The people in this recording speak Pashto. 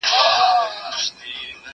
زه به اوږده موده د کتابتون پاکوالی کړی وم!.